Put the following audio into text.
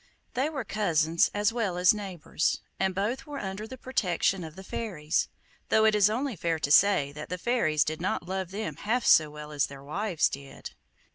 They were cousins as well as neighbours, and both were under the protection of the fairies; though it is only fair to say that the fairies did not love them half so well as their wives did.